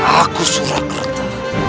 aku suruh kereta